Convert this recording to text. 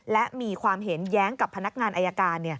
และมีความเห็นแย้งกับพนักงานอายการ